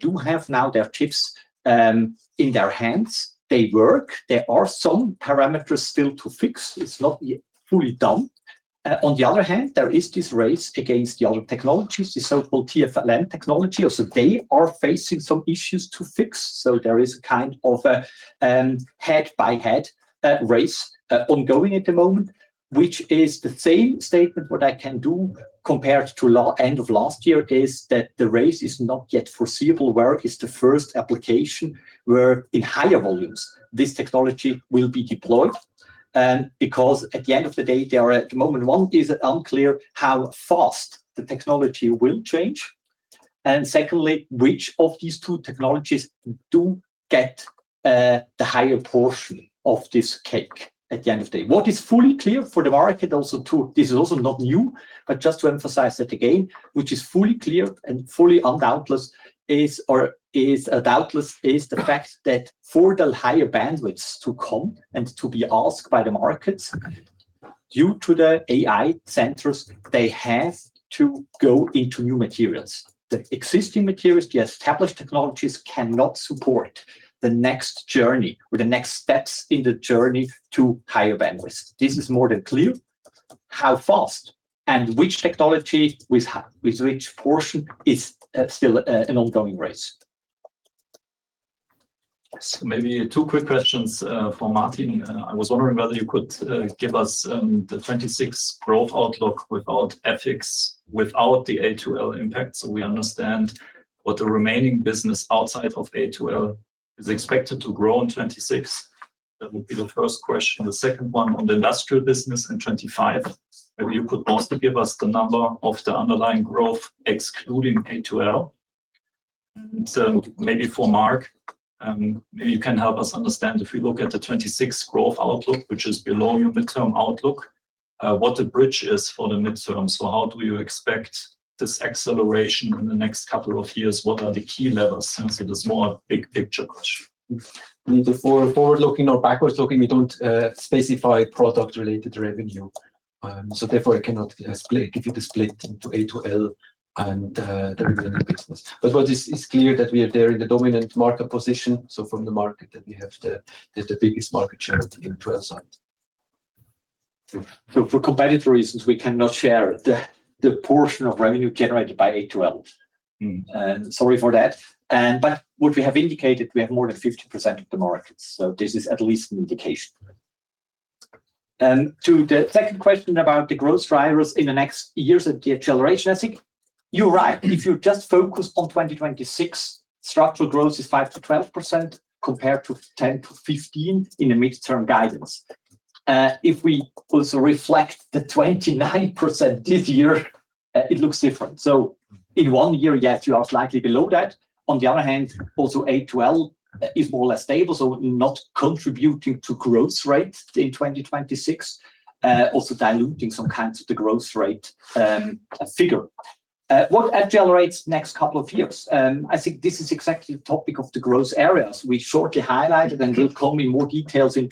do have now their chips in their hands. They work. There are some parameters still to fix. It's not yet fully done. On the other hand, there is this race against the other technologies, the so-called TFLN technology. Also, they are facing some issues to fix. There is a kind of a head-by-head race ongoing at the moment, which is the same statement what I can do compared to end of last year, is that the race is not yet foreseeable where the first application where in higher volumes this technology will be deployed. Because at the end of the day, there are at the moment, one, is unclear how fast the technology will change, and secondly, which of these two technologies do get the higher portion of this cake at the end of the day. What is fully clear for the market also too. This is also not new, but just to emphasize it again, which is fully clear and doubtless is the fact that for the higher bandwidths to come and to be asked by the markets due to the AI centers, they have to go into new materials. The existing materials, the established technologies cannot support the next journey or the next steps in the journey to higher bandwidth. This is more than clear. How fast and which technology with which portion is still an ongoing race. Maybe two quick questions for Martin. I was wondering whether you could give us the 2026 growth outlook without FX, without the A2L impact, so we understand what the remaining business outside of A2L is expected to grow in 2026. That would be the first question. The second one on the industrial business in 2025. Maybe you could also give us the number of the underlying growth excluding A2L. Maybe for Marc, you can help us understand if we look at the 2026 growth outlook, which is below your midterm outlook, what the bridge is for the midterm. How do you expect this acceleration in the next couple of years? What are the key levers since it is more a big picture question? Neither forward-looking nor backward-looking, we don't specify product-related revenue. Therefore, I cannot give you the split into A2L and the remaining business. What is clear is that we are there in the dominant market position. From the market that we have the biggest market share of the A2L side. For competitive reasons, we cannot share the portion of revenue generated by A2L. Mm-hmm. Sorry for that. What we have indicated, we have more than 50% of the market. This is at least an indication. To the second question about the growth drivers in the next years and the acceleration, I think you're right. If you just focus on 2026, structural growth is 5%-12% compared to 10%-15% in the midterm guidance. If we also reflect the 29% this year, it looks different. In one year, yes, you are slightly below that. On the other hand, also A2L is more or less stable, so not contributing to growth rate in 2026, also diluting some kinds of the growth rate figure. What accelerates next couple of years? I think this is exactly the topic of the growth areas. We shortly highlighted and will come in more details on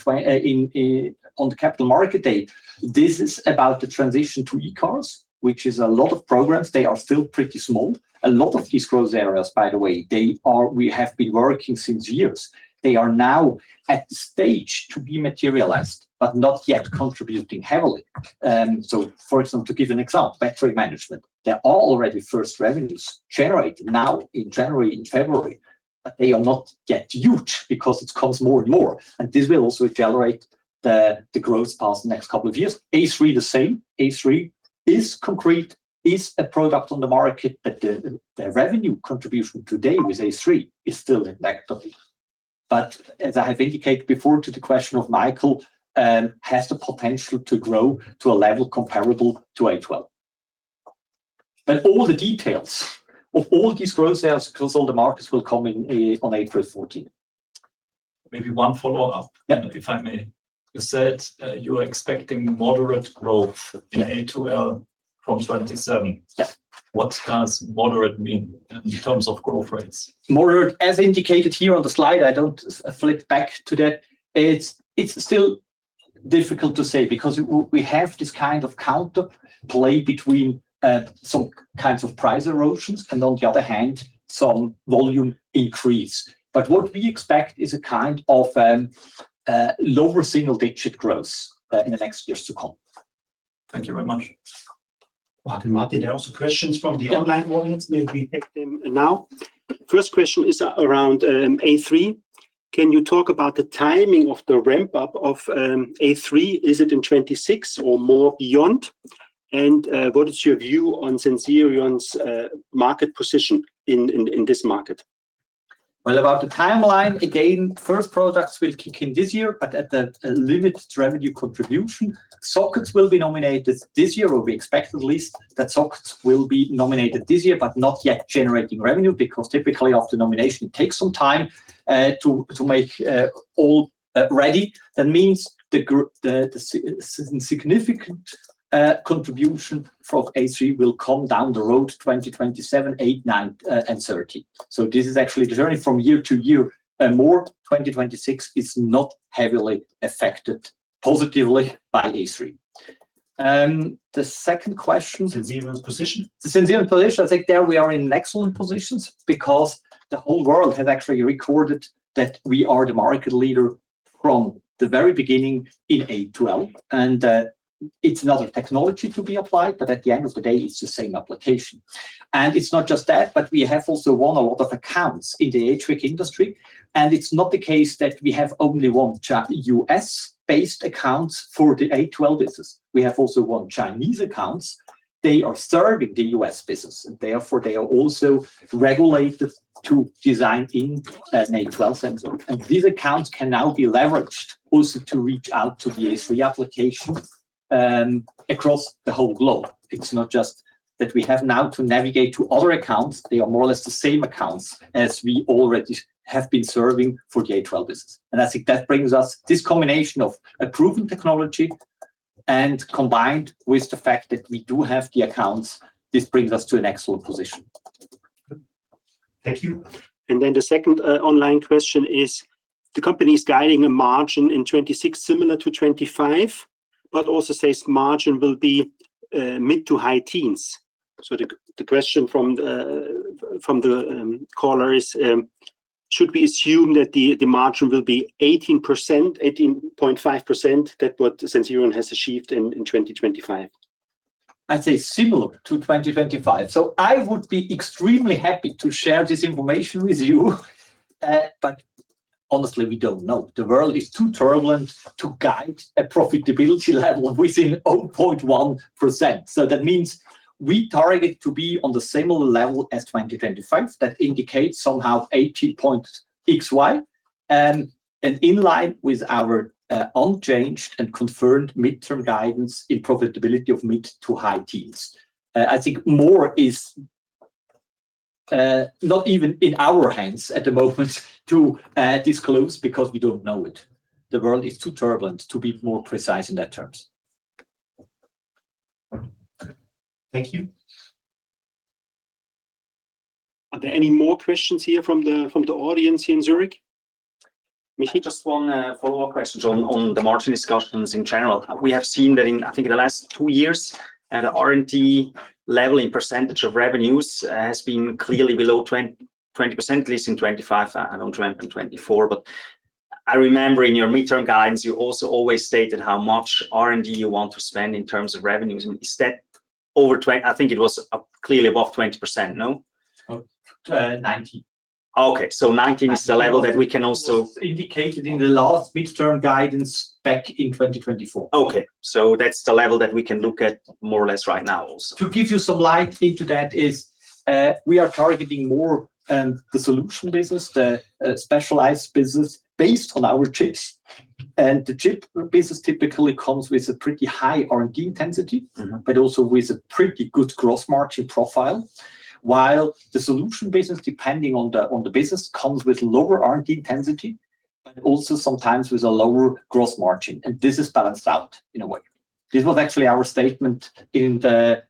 the Capital Markets Day. This is about the transition to eCars, which is a lot of programs. They are still pretty small. A lot of these growth areas, by the way, they are we have been working since years. They are now at the stage to be materialized, but not yet contributing heavily. So for example, to give an example, battery management. There are already first revenues generated now in January and February, but they are not yet huge because it comes more and more. This will also accelerate the growth past the next couple of years. A3 the same. A3 is concrete, is a product on the market, but the revenue contribution today with A3 is still negligible. As I have indicated before to the question of Michael, has the potential to grow to a level comparable to A2L. All the details of all these growth areas across all the markets will come in on April 14. Maybe one follow-up. Yeah. If I may. You said you are expecting moderate growth in A2L from 2027. Yeah. What does moderate mean in terms of growth rates? Moderate, as indicated here on the slide, I don't flip back to that. It's still difficult to say because we have this kind of counter play between some kinds of price erosions and on the other hand, some volume increase. What we expect is a kind of lower single-digit growth in the next years to come. Thank you very much. Martin, there are also questions from the online audience. Maybe take them now. First question is around A3. Can you talk about the timing of the ramp-up of A3? Is it in 2026 or more beyond? What is your view on Sensirion's market position in this market? Well, about the timeline, again, first products will kick in this year, but at a limited revenue contribution. Sockets will be nominated this year, or we expect at least that sockets will be nominated this year, but not yet generating revenue because typically after nomination, it takes some time to make all ready. That means the significant contribution of A3 will come down the road, 2027, 2028, 2029, and 2030. This is actually the journey from year to year. More, 2026 is not heavily affected positively by A3. The second question Sensirion's position Sensirion's position, I think there we are in excellent positions because the whole world has actually recorded that we are the market leader from the very beginning in A2L and it's another technology to be applied, but at the end of the day, it's the same application. It's not just that, but we have also won a lot of accounts in the HVAC industry. It's not the case that we have only won certain U.S.-based accounts for the A2L business. We have also won Chinese accounts. They are serving the U.S. business, and therefore, they are also regulated to design in an A2L sensor. These accounts can now be leveraged also to reach out to the A3 application across the whole globe. It's not just that we have now to navigate to other accounts. They are more or less the same accounts as we already have been serving for the A2L business. I think that brings us this combination of a proven technology and combined with the fact that we do have the accounts, this brings us to an excellent position. Thank you. The second online question is, the company is guiding a margin in 2026 similar to 2025, but also says margin will be mid to high teens. The question from the caller is, should we assume that the margin will be 18%, 18.5% than what Sensirion has achieved in 2025? I'd say similar to 2025. I would be extremely happy to share this information with you. Honestly, we don't know. The world is too turbulent to guide a profitability level within 0.1%. That means we target to be on the similar level as 2025. That indicates somehow 18 point XY, and in line with our unchanged and confirmed midterm guidance in profitability of mid to high teens. I think more is not even in our hands at the moment to disclose because we don't know it. The world is too turbulent to be more precise in that terms. Thank you. Are there any more questions here from the audience here in Zurich? Michi, just one follow-up question on the margin discussions in general. We have seen that in, I think in the last two years, the R&D level as a percentage of revenues has been clearly below 20%, at least in 2025 and in 2024. I remember in your midterm guidance, you also always stated how much R&D you want to spend in terms of revenues. Is that over 20%? I think it was clearly above 20%, no? 19. Okay. 19 is the level that we can also. Indicated in the last midterm guidance back in 2024. Okay. That's the level that we can look at more or less right now also. To give you some insight into that, we are targeting more the solution business, the specialized business based on our chips. The chip business typically comes with a pretty high R&D intensity. Mm-hmm... also with a pretty good gross margin profile. While the solution business, depending on the business, comes with lower R&D intensity, but also sometimes with a lower gross margin, and this is balanced out in a way. This was actually our statement in the,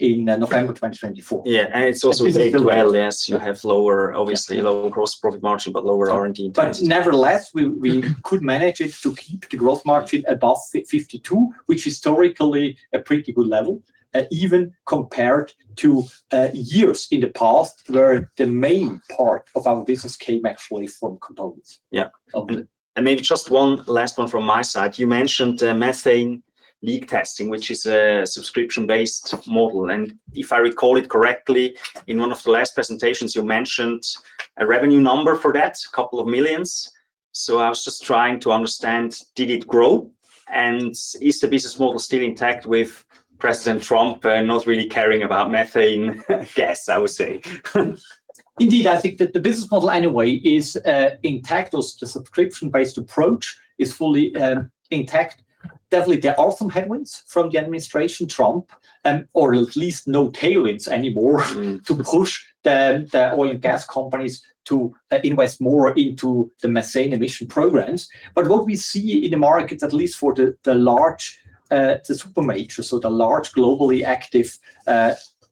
in November 2024. Yeah. It's also It's business related. Fair to say, yes, you have lower, obviously. Yes Lower gross profit margin, but lower R&D intensity. Nevertheless, we could manage it to keep the gross margin above 52%, which historically a pretty good level, even compared to years in the past where the main part of our business came actually from components. Yeah. Of the- Maybe just one last one from my side. You mentioned methane leak testing, which is a subscription-based model. If I recall it correctly, in one of the last presentations, you mentioned a revenue number for that, 2 million. I was just trying to understand, did it grow? Is the business model still intact with President Trump not really caring about methane gas, I would say. Indeed, I think that the business model anyway is intact, or the subscription-based approach is fully intact. Definitely, there are some headwinds from the administration, Trump, or at least no tailwinds anymore. Mm To push the oil and gas companies to invest more into the methane emission programs. What we see in the markets, at least for the large, the super majors, so the large globally active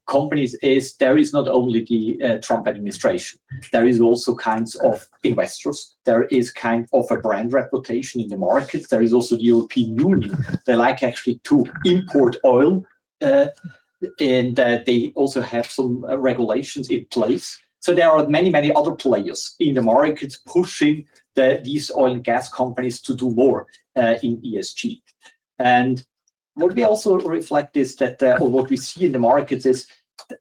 companies, is there is not only the Trump administration, there is also kinds of investors. There is kind of a brand reputation in the market. There is also the European Union. They like actually to import oil, and they also have some regulations in place. There are many, many other players in the markets pushing these oil and gas companies to do more in ESG. What we also reflect is that, or what we see in the markets is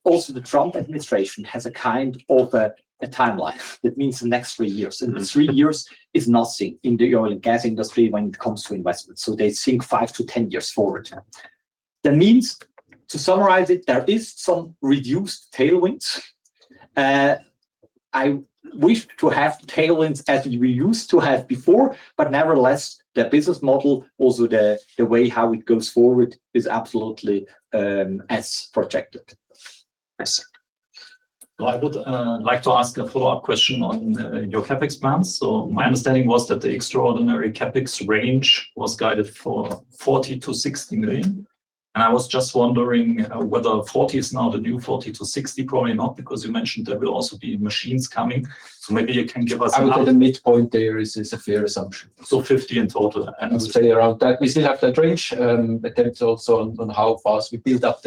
also the Trump administration has a kind of a timeline. That means the next three years. The three years is nothing in the oil and gas industry when it comes to investments. They think 5-10 years forward. That means, to summarize it, there is some reduced tailwinds. I wish to have tailwinds as we used to have before, but nevertheless, the business model, also the way how it goes forward is absolutely, as projected. Yes. I would like to ask a follow-up question on your CapEx plans. My understanding was that the extraordinary CapEx range was guided for 40 million-60 million. I was just wondering whether 40 is now the new 40-60. Probably not, because you mentioned there will also be machines coming, so maybe you can give us- I would say the midpoint there is a fair assumption. So 50 in total? I would say around that. We still have that range. It's also on how fast we build up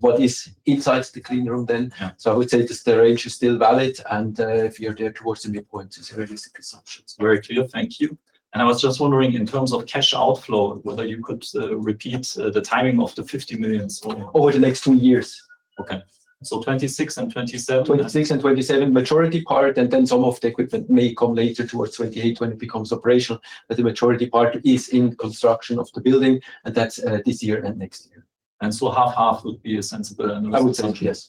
what is inside the clean room then. Yeah. I would say just the range is still valid, and if you're there towards the midpoint is a realistic assumption. Very clear. Thank you. I was just wondering in terms of cash outflow, whether you could repeat the timing of the 50 million for- Over the next two years. Okay. 2026 and 2027. 2026 and 2027, majority part, and then some of the equipment may come later towards 2028 when it becomes operational. The majority part is in construction of the building, and that's this year and next year. Half would be a sensible analysis?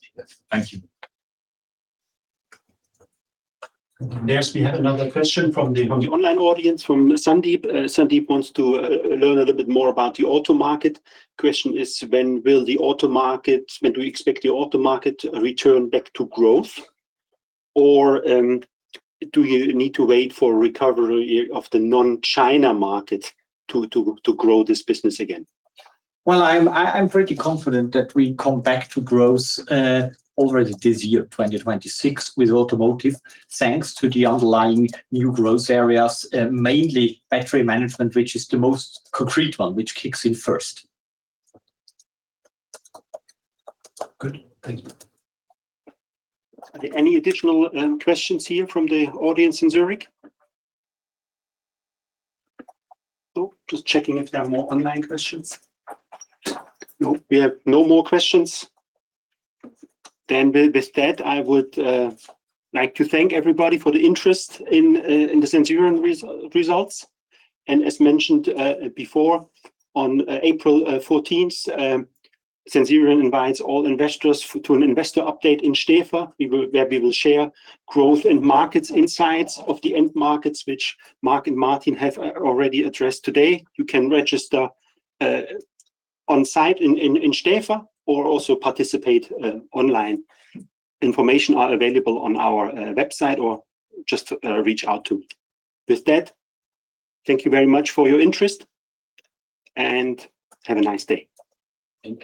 I would say yes. Yes. Thank you. Next, we have another question from the From the online audience, from Sandeep. Sandeep wants to learn a little bit more about the auto market. Question is, "When do you expect the auto market to return back to growth? Or, do you need to wait for recovery of the non-China market to grow this business again?" Well, I'm pretty confident that we come back to growth already this year, 2026, with automotive, thanks to the underlying new growth areas, mainly battery management, which is the most concrete one, which kicks in first. Good. Thank you. Any additional questions here from the audience in Zurich? Nope. Just checking if there are more online questions. Nope, we have no more questions. With that, I would like to thank everybody for the interest in the Sensirion results. As mentioned before, on April 14th, Sensirion invites all investors to an Investor Update in Stäfa where we will share growth and markets insights of the end markets which Mark and Martin have already addressed today. You can register on site in Stäfa, or also participate online. Information are available on our website, or just reach out to me. With that, thank you very much for your interest and have a nice day. Thank you.